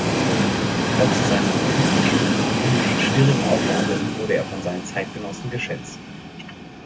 Trotz seiner politisch und ökonomisch schwierigen Aufgabe wurde er von seinen Zeitgenossen geschätzt.